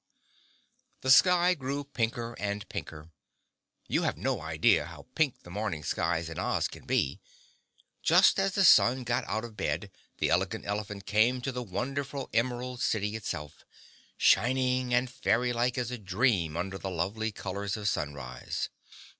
The sky grew pinker and pinker. You have no idea how pink the morning skies in Oz can be. Just as the sun got out of bed, the Elegant Elephant came to the wonderful Emerald City itself, shining and fairylike as a dream under the lovely colors of sunrise.